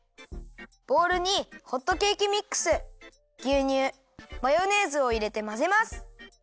ボウルにホットケーキミックスぎゅうにゅうマヨネーズをいれてまぜます！